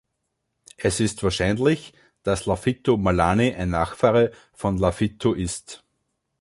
Es ist wahrscheinlich, dass Laufitu Malani ein Nachfahre von Laufitu ist.